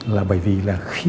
là bởi vì là khi